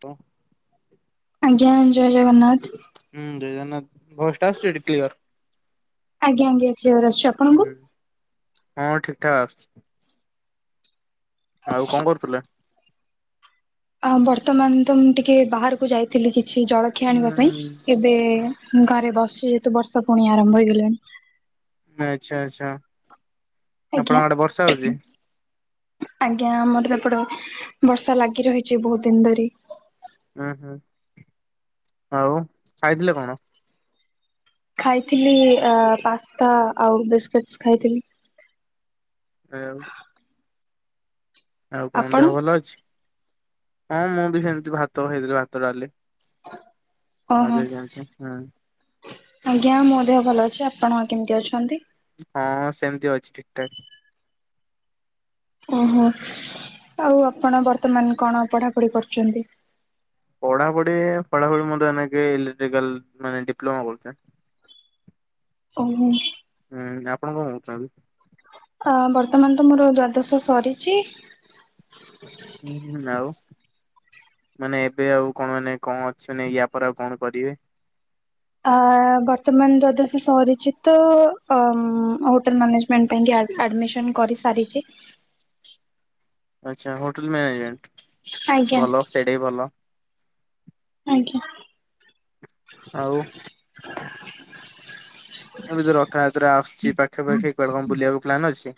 ତ ଆଜ୍ଞା ଜୟ ଜଗନ୍ନାଥ। ହୁଁ ଜୟ ଜଗନ୍ନାଥ ଭଏସଟା ଆସୁଛି ଏଠି କ୍ଲିଅର। ଆଜ୍ଞା ଆଜ୍ଞା କ୍ଲିୟର ଆସୁଚି ଆପଣଙ୍କୁ ହୁଁ। ହଁ ଠିକ ଠାକ୍ ଆସ ଆଉ କଣ କରୁଥିଲେ? ଅ ବର୍ତ୍ତମାନ ତ ମୁଁ ଟିକେ ବାହାରକୁ ଯାଇଥିଲି କିଛି ଜଳଖିଆ ଆଣିବା ପାଇଁ ହୁଁ। ଇ ଏବେ ଘରେ ବସିଛି ଯେହେତୁ ବର୍ଷା ପୁଣି ଆରମ୍ଭ ହେଇଗଲେଣି। ଆଚ୍ଛା ଆଚ୍ଛା। ଆପଣଙ୍କ ଆଜ୍ଞା। ଆଡେ ବର୍ଷା ହଉଛି? ଆଜ୍ଞା ଆମର ସେପଟ ବର୍ଷା ଲାଗି ରହିଛି ବହୁତ ଦିନ ଧରି। ହୁଁ ହୁଁ ଆଉ ଖାଇଥିଲେ କଣ? ଖାଇଥିଲି ଆ ପାସ୍ତା ଆଉ ବିସ୍କିଟି ଖାଇଥିଲି। ଆଉ ଆଉ କଣ ଆପଣ ଦେହ ଭଲ ଅଛି ହଁ ମୁଁ ବି ସେମିତି ଭାତ ଖାଇ ଭାତ ଡାଲି। ଆ ଓହୋ [unintelligible] ହୁଁ। ଆଜ୍ଞା ମୋ ଦେହ ଭଲ ଅଛି ଆପଣ କେମିତି ଅଛନ୍ତି? ହଁ ସେମତି ଅଛି ଠିକ୍ ଠାକ୍। ଓହୋ ଆଉ ଆପଣ ବର୍ତ୍ତମାନ କଣ ପଢାପଢି କରୁଛନ୍ତି? ପଢ଼ାପଢି ପଢାପଢି ମୁଁ ତ ଏଇନାକେ ଇଲେକ୍ଟ୍ରିକାଲ ମାନେ ଡିପ୍ଲୋମା କରୁଛି। ଓହୋ। ହୁଁ ଆପଣ କଣ କରୁଛନ୍ତି? ଅ ବର୍ତ୍ତମାନ ତ ମୋର ଦ୍ଵାଦଶ ସରିଛି। ହୁଁ ହୁଁ ଆଉ। ମାନେ ଏବେ ଆଉ କଣ ମାନେ କଣ ଅଛି ନାଇ ୟା ପରେ ଆଉ କଣ କରିବେ। ଆ ବର୍ତ୍ତମାନ ଦ୍ୱାଦଶ ସରିଛି ତ ଅ ହୋଟେଲ ମ୍ୟାନେଜ [unintelligible] ଆ-ଆଡ଼ମିସନ କରିସାରିଛି। ଆଚ୍ଛା ହୋଟେଲ ମ୍ୟାନେଜମେଣ୍ଟ ଆଜ୍ଞା ଭଲ ସେଇଟା ଭଲ। ଆଜ୍ଞା। ଆଉ ଏବେ ତ ରଥଯାତ୍ରା ଆସୁଛି ପାଖାପାଖି କୁଆଡେ କଣ ବୁଲିବାକୁ ପ୍ଲାନ୍ ଅଛି?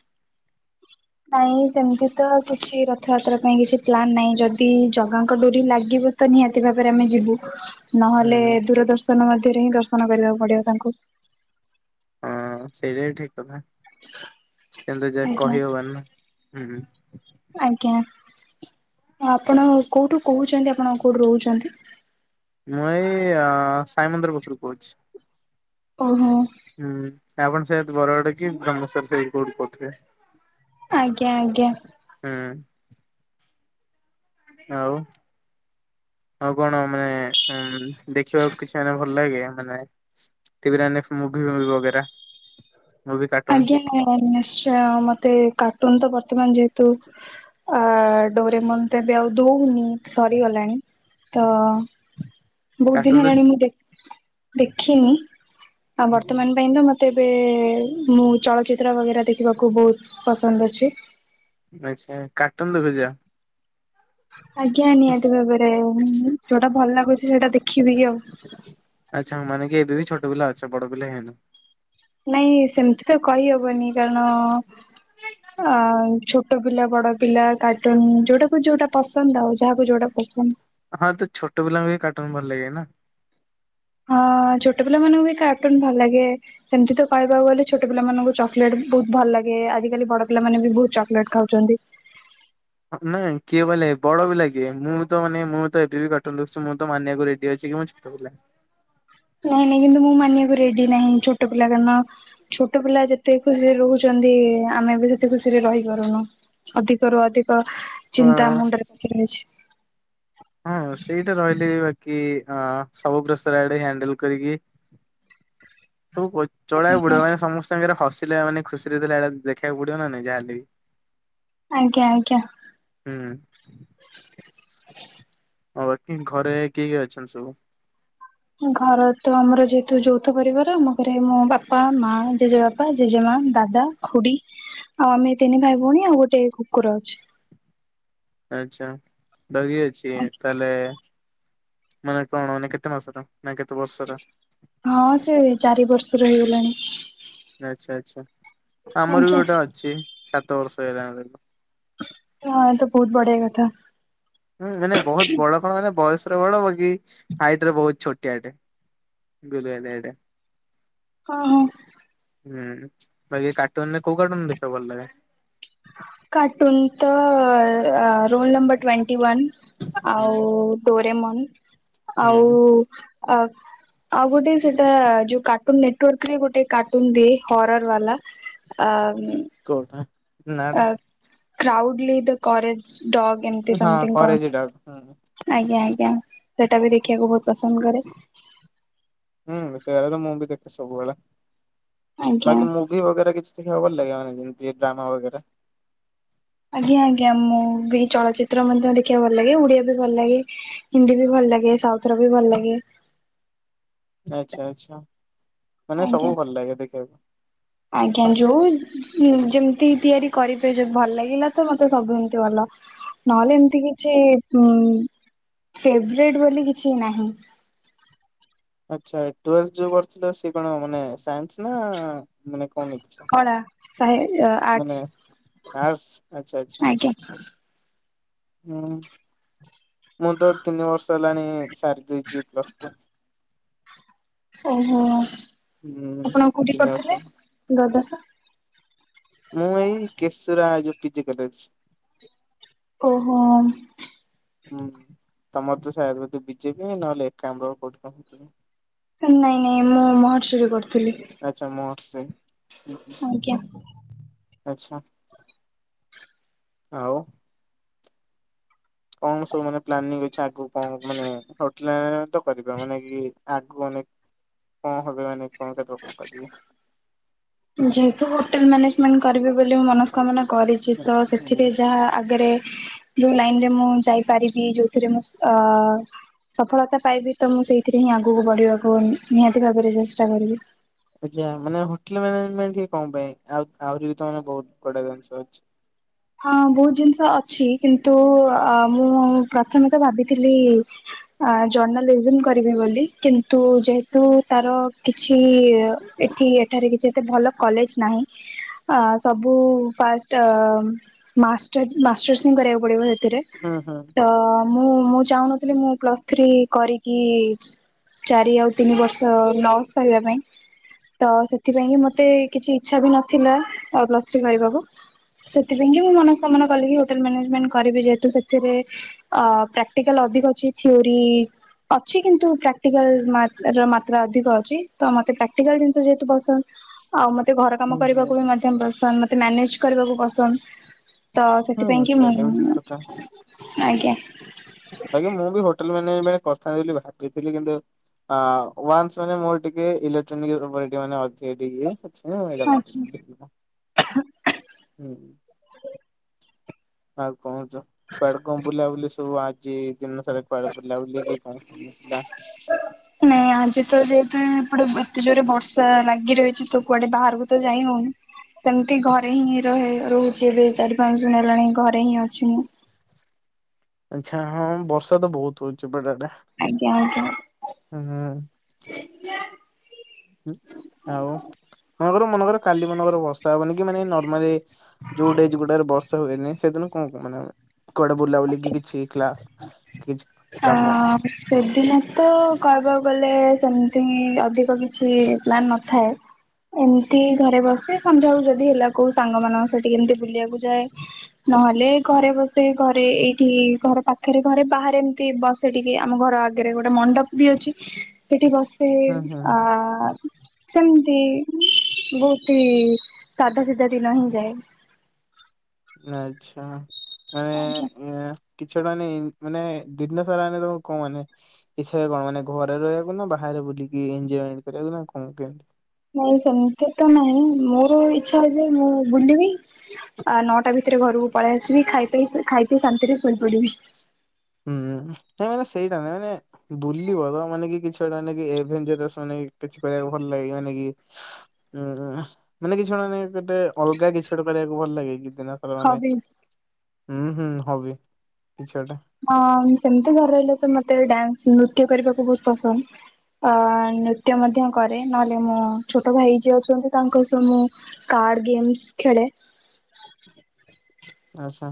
ନାଇଁ ସେମିତି ତ କିଛି ରଥଯାତ୍ରା ପାଇଁ କିଛି ପ୍ଲାନ୍ ନାହିଁ ଯଦି ଜଗାଙ୍କ ଡୋରି ଲାଗିବ। ତ ନିହାତି ଭାବରେ ଆମେ ଯିବୁ ହୁଁ ନହେଲେ ଦୂରଦର୍ଶନ ମଧ୍ୟରେ ହିଁ ଦର୍ଶନ କରିବାକୁ ପଡିବ ତାଙ୍କୁ। ହଁ ସେଇଟା ବି ଠିକ କଥା ସେମିତି ଯା ଆଜ୍ଞା କହିହବନି ହୁଁ ହୁଁ। ଆଜ୍ଞା ଆପଣ କୋଉଠୁ କହୁଛନ୍ତି ଆପଣ କୋଉଠୁ ରହୁଛନ୍ତି? ମୁଁ ଏଇ ଅ ସାଇମନ୍ଦିର ପଖରୁ କହୁଛି। [inaudible] [inaudible] ଆଜ୍ଞା ଆଜ୍ଞା। ହୁଁ। ଆଉ। ଆଉ କ'ଣ ଦେଖିବାକୁ କିଛି ମାନେ ଭଲ୍ ଲାଗେ। ମାନେ ଟିଭି ମୁଭି ବାଗେରା ମୁଭି, କାଟୁନ୍‌। ଆଜ୍ଞା ନିଶ୍ଚୟ ମତେ, କାଟୁନ୍‌ ତ ବର୍ତ୍ତମାନ୍ ଯେହେତୁ ଡ଼ୋରେମନ୍‌ ତ ବି ଆଉ ଦଉନି, ସରିଗଲାଣି। [inaudible] ବହୁ ଦିନ୍‌ କାର୍ଟୁନ ହେଲାଣି ମୁଁ ଦେଖିନି, ଆଉ ବର୍ତ୍ତମାନ୍‌ ପାଇଁ ତ ମ ତେବେ, ମୁଁ ଚଳଚ୍ଚିତ୍ର ବଗେରା ଦେଖିବାକୁ ବହୁତ୍ ପସନ୍ଦ୍ ଅଛି। ଆଚ୍ଛା, କାଟୁନ୍‌ ଦେଖୁଚ। ଆଜ୍ଞା ନିହାତି ଭାବରେ ଯଉଟା ଭଲ୍‌ ଲାଗୁଚି ସେଟା ଦେଖିବି କି ଆଉ। ଆଚ୍ଛା, ମାନେ କି ଏବେ ବି ଛୋଟ ପିଲା ଅଛ, ବଡ଼ ପିଲା ହେ-ନ। ନାଇଁ, ସେମ୍ତି ତ କହି ହବନି କାର୍ଣ ଛୋଟ ପିଲା ବଡ଼ ପିଲା କାଟୁନ୍‌ ଯଉଟାକୁ ଯଉଟା ପସନ୍ଦ୍ ଆଉ ଯାହାକୁ ଯଉଟା ପସନ୍ଦ୍। ହଁ, ତ ଛୋଟ ପିଲାଙ୍କୁ ବି କଟୁନ୍‌ ଭଲ୍ ଲାଗେ ନା। ହଁ, ଛୋଟ ପିଲା ମାନଙ୍କୁ ବି କାଟୁନ୍‌ ଭଲ୍ ଲାଗେ। ସେମିତି ତ କହିବାକୁ ଗଲେ ଛୋଟ ପିଲାମାନଙ୍କୁ ଚକ୍ଲେଟ୍ ବହୁତ୍ ଭଲ୍‌ ଲାଗେ, ଆଜିକାଲି ବଡ଼ ପିଲାମାନେ ବି ବହୁତ୍ ଚକ୍ଲେଟ୍ ଖାଉଚନ୍ତି। ନା କିଏ କହିଲା କି ବଡ଼ ପିଲା କିଏ, ମୁଁ ତ ମାନେ ମୁଁ ତ ଏବେ ବି କାଟୁନ୍ ଦେଖୁଚି। ମୁଁ ତ ମାନିବାକୁ ରେଡ଼ି ଅଛି କି [inaudible] ନାଇଁ ନାଇଁ କିନ୍ତୁ ମୁଁ ମାନିବାକୁ ରେଡ଼ି ନାହିଁ। ଛୋଟ ପିଲା ଛୋଟ ପିଲା ଯେତେ ଖୁସିରେ ରହୁଚନ୍ତି, ଆମେ ବି ସେତେ ଖୁସିରେ ରହିପାରୁନୁ। ଅଧିକରୁୁ ଅଧିକ ଚିନ୍ତା ହଁ ମୁଣ୍ଡରେ ପଶିକି ରହିଚି। ହଁ ସେଇଟା ରହିଲେ ବାକି ସବୁ ପ୍ରେସର୍ ଆଡ଼େ ହ୍ୟାଣ୍ଡଲ୍‌ କରିକି। ସବୁ ଚଳେ--ବାକୁ ଆଜ୍ଞା ପଡ଼ିବ, ମାନେ ସମସ୍ତ ସାଙ୍ଗରେ ହ ଥିଲା, ମାନେ ଖୁସିରେ ଥିଲା ଦେଖେବାକୁ ପଡ଼ିବ ନାହିଁ ଯାହା ହେଲେ ବି। ଆଜ୍ଞା ଆଜ୍ଞା। [inaudible] ଘରେ କିଏ କିଏ ଅଛନ୍ତି ସବୁ? ଘର ତ ଆମର ଯେହେତୁ ଯୌଥ ପରିବାର ଆମ ଘରେ ମୋ ବାପା-ମା, ଜେଜେ ବାପା ଜେଜେମା, ଦାଦା ଖୁଡ଼ି ଆଉ ଆମେ ତିନି ଭାଇ ଭଉଣୀ ଆଉ ଗୋଟେ କୁକୁର ଅଛି। ଆଚ୍ଛା, ଡ଼ଗି ଅଛି ତା'--ଲେ। ମାନେ କ'ଣ ନା କେତେ ମାସର ନା କେତେ ବର୍ଷର? ହଁ, ସେ ଚାରି ବର୍ଷ ର ହେଇ ଗଲାଣି। ଆଚ୍ଛା ଆଚ୍ଛା, ଆମର୍ ବି ଆଜ୍ଞା ଗୋଟେ ଅଛି ସାତ ବର୍ଷ ହେଇଗଲାଣି। ଏ ତ ବହୁତ୍ ବଢ଼ିଆ କଥା। ହୁଁ, ମାନେ ବହୁତ୍‌ ବଡ଼। କ'ଣ ମାନେ ବୟସ୍ ରେ ବଡ଼ ହବକି ହାଇଟ୍ ରେ ବହୁତ୍ ଛୋଟିଆ ଟେ। [inaudible] ହୁଁ, ବାକି କାଟୁନ୍ ରେ କଉ କାଟୁନ୍ ଦେଖିବାକୁ ଭଲ୍‌ ଲାଗେ? କାଟୁନ୍‌ ତ ରୋଲ୍ ନମ୍ବର୍ ଟ୍ୱଣ୍ଟି ୱାନ୍‌। ଆଉ ହୁଁ ଡୋରେମନ୍ ଆଉ ହୁଁ ଆଉ ଗୋଟେ ସେଟା ଯଉ କା ନେଟୱାର୍କ ରେ ଗୋଟେ କାର୍ଟୁନ ଦିଏ ହରର୍ ବାଲା। [inaudible] ନାଟା କ୍ରାଉଡ୍‌ଲି ଦ କରେଜ୍‌ ଡ଼ଗ୍ ଏମ୍ତି ହଁ ସମ୍‌ଥିଙ୍ଗ୍ କ'ଣ। କରେଜି ଡଗ ହୁଁ। ଆଜ୍ଞା ଆଜ୍ଞା, ସେଟା ବି ଦେଖିବାକୁ ବହୁତ୍ ପସନ୍ଦ୍ କରେ। ହୁଁ, ସେରା ତ ମୁଁ ବି ଦେଖେ ସବୁବେଳେ ଆଜ୍ଞା। ବାକି ଦି ବଗେରା କିଛି ଥିଲେ ଆଉ ଭଲ ଲାଗିବନି ଡ୍ରାମା ବାଗେରା। ଆଜ୍ଞା ଆଜ୍ଞା ମୁଁ ବି ଚଳଚିତ୍ର ମଧ୍ୟ ଦେଖିବାକୁ ଭଲ ଲାଗେ ଓଡିଆ ବି ଭଲ ଲାଗେ। ହିନ୍ଦୀ ବି ଭଲ ଲାଗେ ସାଉଥ ର ବି ଭଲ ଲାଗେ। ଆଚ୍ଛା ଆଛା ମାନେ ଆଜ୍ଞା। ସବୁ ଭଲ ଲାଗେ ଦେଖିବାକୁ। ଆଜ୍ଞା ଯୋଉ ଯେମିତି ତିଆରି କରିପାରିବେ ଭଲ ଲାଗିଲା ତ ମତେ ସବୁ ଏମତି ଭଲ। ନହେଲେ ଏମିତି କିଛି ସେବ୍ରେଟ୍ ବୋଲି କିଛି ନାହିଁ। ଆଚ୍ଛା ଟୁଏଲ ଯୋଉ କରିଥିଲ ସେ କଣ ମାନେ ସା ଇନ୍ସ ନା ମାନେ କଣ ହେଥିଲା କଳା ସାହି ମାନେ? ଆର୍ଟସ ଆଟସ୍ ଆଚ୍ଛା ଆଛ୍ଛା। ଆଜ୍ଞା। ହୁଁ ମୁଁ ତ ତିନି ବର୍ଷ ହେଲାଣି ସାରିଦେଇଛି ପ୍ଲସ ଟୁ। ଓହୋ ହୁଁ ଆପଣ କୋଉଠି ତିନି ବର୍ଷ କରିୁଥିଲେ ଦ୍ୱାଦଶ? ମୁଁ ଏଇ କେଶୁରାଆ ଯୋଉ ପିଜି କଲେଜ। ଓହୋ। ହୁଁ ତମର ତ ସେଇଆ ବିଜେପି ନହେଲେ ଏକ୍ରାମ କୋଉଠି କରିଥିବ। ନାଇଁ ନାଇଁ ମୁଁ ମହର୍ଷିରେ ପଢୁଥିଲି। ଆଛା ମହର୍ଷି ଉଁ ହୁଁ ଆଜ୍ଞା। ଆଛା। ଆଉ। କଣ ସବୁ ମାନେ ପ୍ଲାନିଂ ଅଛି ଆଗକୁ କଣ ମାନେ ହୋଟେଲର ତ କରିବା ମାନେ କି ଆଗୁ ଅନେକ କଣ ହେବେ ମାନେ କଣ କେତେବେଳେ କଣ ପଡିବ। ଯେହେତୁ ହୋଟେଲ ମ୍ୟାନେଜମେଣ୍ଟ କରିବି ବୋଲି ମୁଁ ମନସ୍ତ କାମନା କରିଚି ତ ହୁଁ। ସେଥିରେ ଯାହା ଆଗେରେ ଯୋଉ ଲାଇନରେ ମୁଁ ଯାଇପାରିବି ଯୋଉଥିରେ ମୁଁ ଆ ସଫଳତା ପାଇବି ତ ମୁଁ ସେଇଥିରେ ହିଁ ଆଗକୁ ବଢିବାକୁ ନିହାତି ଭାବରେ ଚେଷ୍ଟା କରିବି। ଆଜ୍ଞା ମାନେ ହୋଟେଲ ମାନେଜମେଣ୍ଟ ହିଁ କଣ ପାଇଁ ଆ ଆହୁରି ବି ତ ତାମାନେ ବହୁତ ବଢିଆ ଜିନିଷ ଅଛି। ହଁ ବହୁତ ଜିନିଷ ଅଛି କିନ୍ତୁ ଅ ମୁଁ ପ୍ରଥମେ ତ ଭାବିଥିଲି ଆ ଜଣଲିଜିନି କରିବି ବୋଲି କିନ୍ତୁ ଯେହେତୁ ତାର କିଛି ଏଠି ଏଠାରେ କିଛି ଏତେ ଭଲ କଲେଜ ନାହିଁ ସବୁ ଫାଷ୍ଟ ମାଷ୍ଟର ମାଷ୍ଟର୍ସଙ୍ଗି କରିବାକୁ ପଡିବ ସେଥିରେ। ହଁ ହଁ। ତ ମୁଁ ମୁଁ ଚାହୁଁନଥିଲି ମୁଁ ପ୍ଲସ୍ ଥ୍ରୀ କରିକି ଚାରି ଆଉ ତିନି ବର୍ଷ ଲସ୍ କରିବା ପାଇଁ। ତ ସେଥିପାଇଁ କିି ମତେ କିଛି ଇଚ୍ଛା ବି ନଥିଲା ପ୍ଲସ୍ ଥ୍ରୀ କରିବାକୁ। ସେଥିପାଇଁକି ମୁଁ ମନସ୍କାମନା କଲି ହୋଟେଲ ମ୍ୟାନେଜମେଣ୍ଟ କରିବି ଯେହେତୁ ସେଇଥିରେ ଅ ପ୍ରାକ୍ଟିକାଲ୍ ଅଧିକ ଅଛି ଥିଓରି। ଅଛି କିନ୍ତୁ ପ୍ରାକ୍ଟିକାଲ ମା ର ମାତ୍ରା ଅଧିକ ଅଛି ତ ମତେ ପ୍ରାକ୍ଟିକାଲ ଜିନିଷ ଯେହେତୁ ପସନ୍ଦ। ଆଉ ମତେ ଘର କାମ ହୁଁ କରିବାକୁ ବି ମଧ୍ୟ ପସନ୍ଦ ମତେ ମ୍ୟାନେଜ କରିବାକୁ ପସନ୍ଦ। ତ ହୁଁ ସେଥିପାଇଁ ହୁଁ କି ସେଇଟା ବି ଠିକ ମୁଁ କଥା। ଆଜ୍ଞା। ଆଜ୍ଞ ମୁଁ ବି ହୋଟେଲ ମାନେଜଣ୍ଟ କରିଥାନ୍ତି ବୋଲି ଭାବିଥିଲି କିନ୍ତୁ ହଁ ୱାନ୍ସ ମାନେ ମୋର ଟିକେ ଇଲେକ୍ଟ୍ରୋନିକ ଉପରେ ଟିକେ ମାନେ ଅଧିକ ଟିକେ ଆଛା [inaudible] ଆଉ କହନ୍ତୁ ପାର୍କ ବୁଲା ବୁଲି ସବୁ ଆଜି ଦିନ ସାରା କୁଆଡେ ବୁଲାବୁଲି କି କଣ? ନାଇଁ ଆଜି ତ ଯେହେତୁ ଏପଟେ ଏତେ ଜୋରେ ବର୍ଷା ଲାଗି ରହିଚି ତ କୁଆଡେ ବାହାରକୁ ତ ଯାଇ ହଉନି। ସେମିତି ଘରେ ହିଁ ରହେ ରହୁଛି ଏବେ ଚାରି ପାଞ୍ଚ ଦିନ ହେଲାଣି ଘରେ ହିଁ ଅଛି ମୁଁ। ଆଛା ହଁ ବର୍ଷା ତ ବହୁତ ହଉଚି ଏପଟ ଆଡେ। ଆଜ୍ଞା ଆଜ୍ଞା। ହୁଁ ହୁଁ। ଆଉ ମାନେକର ମନେକର କାଲି ମନେକର ବର୍ଷା ହବନି କି ମାନେ ନର୍ମାଲି। ଯୋଉ ଡେଜ ଗୁଡରେ ବର୍ଷା ହୁଏନି ସେଦିନ କଣ ମାନେ କୁଆଡେ ବୁଲା ବୁଲି କିଛି କ୍ଲାସ୍ କିଛି ଥ। କାମ ସେଦିନ ତ କହିବାକୁ ଗଲେ ସେମଥିଙ୍ଗ ଅଧିକ କିଛି ପ୍ଲାନ୍ ନଥାଏ। ଏମିତି ଘରେ ବସେ ସନ୍ଧ୍ୟା ବେଳୁ ଯଦି ହେଲା କୋଉ ସାଙ୍ଗ ମାନଙ୍କ ସ ଏମତି ବୁଲିବାକୁ ଯାଏ। ନହେଲେ ଘରେ ବସେ ଘରେ ଏଇଠି ଘର ପାଖରେ ଘରେ ବାହାରେ ଏମ ବସେଟିକେ ଆମ ଘର ଆଗରେ ଗୋଟେ ମଣ୍ଡପ ବି ଅଛି ସେଟି ବସ ସେ ହୁଁ ହୁଁ। ଆ। ସେମତି ବହୁତି ସାଧା ସିଧା ଦିନ ହିଁ ଯାଏ। ଆଚ୍ଛା। ଆଜ୍ଞା। ମାନେ କିଛି ଓଟେ ମାନେ ମାନେ ଦିନ ସାରା ମାନେ ତମ କଣ ମାନେ। ଇଛା ଉଏ କଣ ମାନେ ଘରେ ରହିବାକୁ ନା ବାହାରେ ବୁଲିକି ଏଞୟମେଣ୍ଟ କରିବାକୁ କଣ କେମତି। ନାଇଁ ସେମିତି ତ ନାହିଁ ମୋର ଇଛା ଯେ ମୁଁ ବୁଲିବି। ଆ ନଅଟା ଭିତରେ ଘରକୁ ପଳେଇ ଆସିବି ଖାଇ ଖାଇ ପି ଶାନ୍ତିରେ ସୋଇ ପଡିବି। ହୁଁ ହୁଁ ତା ମାନେ ସେଇଟା ନାଇଁ ମାନେ ବୁଲିବ ତ ମାନେ କି କିଛିଟେ ମାନେକି ଏଭେନ୍ ଜେରସ ନେଇ କିଛି କରିବାକୁ ଭଲ୍ ଲାଗିବନିକି। ଉଁ ମାନେ କିଛି ଗୋଟେ ମାନେ ଗୋଟେ ଅଲଗା କିଛି ଗୋଟେ କରିବାକୁ ଭଲ ଲାଗେ କି ଦିନ? ମାନେ ହବିସ୍ ହୁଁ ହୁଁ ହବି କିଛିଗୋଟେ। ହଁ ସେମତି ଘରେ ରହିଲେ ତ ମତେ ଡ୍ୟାନ୍ସ ନୃତ୍ୟ କରିବାକୁ ବୋହୁତ୍ ପସନ୍ଦ। ଅ ନୃତ୍ୟ ମଧ୍ୟ କରେ ନହେଲେ ମୋ ଛୋଟ ଭାଇ ଯିଏ ଅଛନ୍ତି ତାଙ୍କ ସହ ମୁଁ---' କାର୍ଡ ଗେମ୍ସ୍ ଖେଳେ। ଆଛା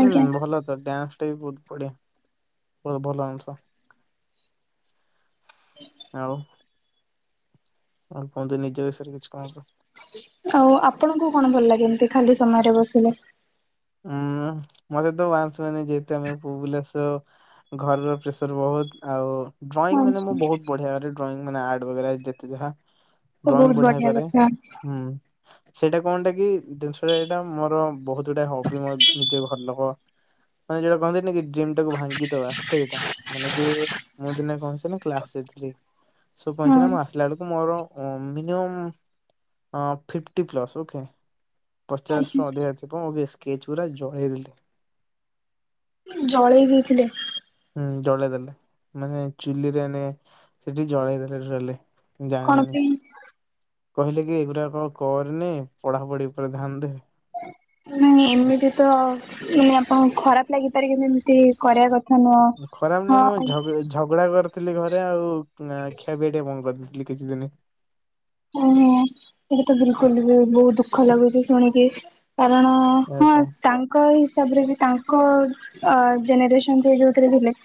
ହୁଁ ଆଜ୍ଞା। ଭଲ ତ ଡ୍ୟାନ୍ସ ଟା ବିହୁ ବଢିଆ ଭଲ ଆଂଷ ଆଉ। କଣ କୁହନ୍ତୁ ନିଜ ବିଷୟରେ କିଛି କହନ୍ତୁ। ଆଉ ଆପଣଙ୍କୁ କଣ ଭଲ ଲାଗେ ଏମତି ଖାଲି ସମୟରେ ବସିଲେ। ହୁଁ ମତେ ତ [unintelligible] ମାନେ ଯେତେମେ ପୁବୁଲାସ ଘରର ପ୍ରେସର ବୋହୁତ ଆଉ। ଡ୍ରଇଂ ମାନେ ମୁଁ ଆଚ୍ଛା ବହୁତ ବଢିଆ କରେ ଡ୍ରଇଂ ମାନେ ଆଡ ବଗରା ଯେତେ ଯାହା। ତ ଡ୍ରଇଂ ବହୁତ ବଢିଆ କରେ କଥା ହୁଁ। ସେଇଟା କଣ୍ଟାକି ଜିନିଷଟା ଏଇଟା ମୋର ବହୁତୁ ଗୁଡା ହବ ନିଜେ ଘର ଲୋକ ମାନେ ଯୋଉଟା କହନ୍ତିନି କି? ଜିମ୍ ଟାକୁ ଭାଙ୍ଗିଦବା ସେଇଟା ମାନେ କି ମୁଁ ଦିନେ କଁ ହେଇଚି ନା କ୍ଲାସ ଥିଲି। ସୁ [unintelligible] ହଁ ଆସିଲା ବେଳକୁ ମୋର ଓ ମିିନିମମ୍ ଫିଫଟି ପ୍ଲସ୍ ଓକେ। ଆଚ୍ଛା। ପଚାଶରୁୁ ଅଧିକା ଥିବ ସ୍କେଚ ଗୁରା ଜଳେଇଦେଲି। ଜଳେଇ ଦେଇଥିଲେ। ହୁଁ ଜଳେଇ ଦେଲେ ମାନେ ଚୁଲିରେ ନେ ସେଟି ଜଳେଇ ଦେଲେ। ଜାଣି କଣ ଜାଣି ପାଇଁ। କହିଲେ କି ଏଗୁଡାକ କରନି ପଢାପଢି ଉପରେ ଧ୍ୟାନ ଦେ। ନାଇଁ ଏମିତି ତ [unintelligible] ଆପଣଙ୍କୁ ଖରାପ ଲାଗିପାରେ କି ଏମିତି କରିବା କ ଖରାପ ନାଇଁ ମୁଁ ଝଗ ଝଗଡା କରିଥିଲି ଘରେ ଆଉ। ନା ଖିଆ ପିଆ ଟିକେ ବନ୍ଦ କରିଦେଇଥିଲି କିଛି ଦିନି। ଓହୋ ସେଇଟା ତ ବିଲକୁଲ ବି ବହୁତ ଦୁଃଖ ଲାଗୁଚି ଶୁଣିକି। କାରଣ ସେୟା ହଁ ତ। ତାଙ୍କ ହିସାବରେ ବି ତାଙ୍କ ଜେନେରେସନ ଯୋଉଥିରେ ଥିଲେ।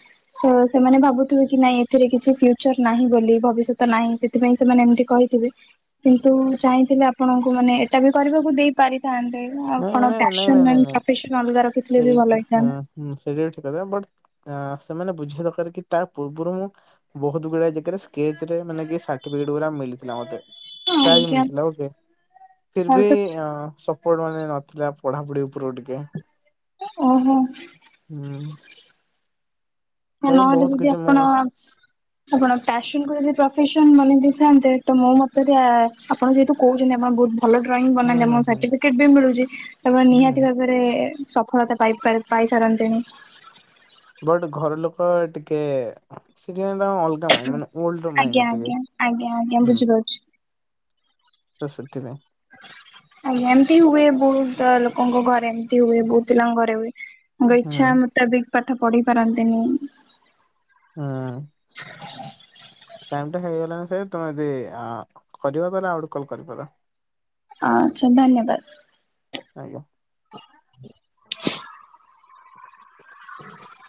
ତ ସେମାନେ ଭାବୁଥିବେ କି ନାଇଁ ଏଥିରେ କିଛି ଫ୍ୟୁଚର ନାହିଁ ବୋଲି ଭବିଷ୍ୟତ ନାହିଁ ସେଥିପାଇଁ ସେମାନେ ଏମିତି କହିଥିବେ। କିନ୍ତୁ ଚାହିଁଥିଲେ ଆପଣଙ୍କୁ ମାନେ ଏଇଟା ବି କରିବାକୁ ଦେଇ ପାରିଥାନ୍ତେ। ନାଇଁ ଆପଣ ମାନେ ନାଇଁ ନାଇଁ ପ୍ୟାସନ ନାଇଁ ନାଇଁ ପ୍ରଫେସନ ଅଲଗା ରଖିଥିଲେ ବି ଭଲ ହେଇଥାନ୍ତା। ହୁଁ ସେଇଟା ବି ଠିକ୍ କଥା ବଟ୍ ସେମାନେ ବୁଝିବା ଦରକାର କି ତା ପୂର୍ବରୁ ମୁଁ ବହୁତ ଗୁଡାଏ ଜେଗାରେ ସ୍କେଚ୍ ରେ ମାନେ ସାଟିଫିକେଟ ଗୁଡା ମିଲ୍ଥିଲା ମତେ। ହଁ ଟାଏ ଆଜ୍ଞା ମିଳିଥିଲା ଗୋଟେ ଫିର୍ ଆଉ ଭି ତ ଆଁ ସ୍ ମୋର ମାନେ ନଥିଲା ପଢାପଢି ଉପରୁ ଟିକେ ଓହୋ। ହୁଁ। ଭାଇ ନହେଲେ ବହୁତ ଯଦି କିଛି ମୁଁ ଆପଣ ଆପଣ ପ୍ୟାସନ କୁ ଯଦି ପ୍ରଫେସନ ବନେଇଦେଇଥାନ୍ତେ ତ ମୋ ମତରେ ଆ ଆପଣ ଯେହେତୁ କହୁଛନ୍ତି ଆପଣ ବହୁ ଭଲ ଡ୍ରଇଂ ହୁଁ ବନାନ୍ତି ହୁଁ ଆମ ହୁଁ ସାର୍ଟିଫିକେଟ ବି ମିଳୁଛି ହୁଁ ନିହାତି ଭାବେ ବେ ସଫଳତା ପାଇ ପାଇ ପାଇସାରନ୍ତେଣି। ବଟ୍ ଘର ଲୋକ ଟିକେ ସେଥିପାଇଁ ତାଙ୍କ ଅଲଗା ମାଇଣ୍ଡ ମାନେ ଓଲ୍ଡ ଆଜ୍ଞା ମାଇଣ୍ଟ ଟିକେ ଆଜ୍ଞା ଆଜ୍ଞା ଆଜ୍ଞା ହୁଁ। ବୁଝିପାରୁଛି ତ ସେଥିପାଇଁ। ଆଜ୍ଞା ଏମିତି ହୁଏ ବହୁତ ଲୋକଙ୍କ ଘରେ ଏମତି ହୁଏ ବହୁତ ପିଲାଙ୍କ ଘରେ ହୁଏ। ତାଙ୍କ ହୁଁ ଇଚ୍ଛା ମୁତାବିକ ପାଠ ପଢି ପାରନ୍ତିନି। ହଁ। ଟାଇମ ଟା ହେଇଗଲାଣି ସ ତମେ ଯଦି ଆ କରିବ ତାହେଲେ ଆଉ ଗୋଟେ କଲ କରିପାର। ଆଛା ଧନ୍ୟବାଦ। ଆଜ୍ଞା। ହ